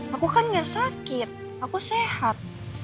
aku kan gak sakit aku sehat